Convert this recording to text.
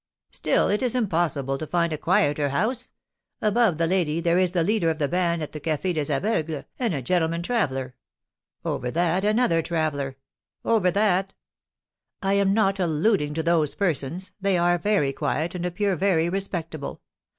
"Still, it is impossible to find a quieter house. Above the lady, there is the leader of the band at the Café des Aveugles, and a gentleman traveller; over that, another traveller; over that " "I am not alluding to those persons; they are very quiet, and appear very respectable.